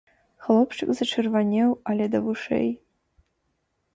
Хлопчык зачырванеў але да вушэй.